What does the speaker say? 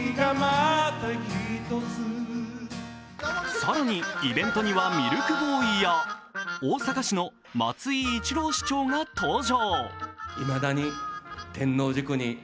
更に、イベントにはミルクボーイや大阪市の松井一郎市長が登場。